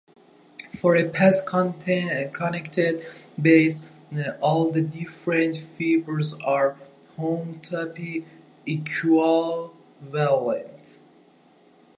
For a path connected base, all the different fibers are homotopy equivalent.